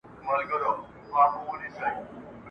« درست پښتون له کندهاره تر اټکه سره خپل وي» ..